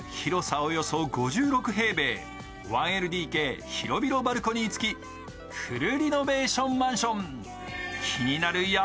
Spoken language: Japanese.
およそ５６平米１ＬＤＫ広々バルコニー付きフルリノベーションマンション